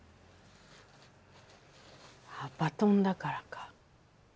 バトンだからか。